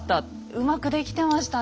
うまく出来てましたね